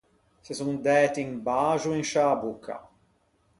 Se son dæti un baxo in sciâ bocca.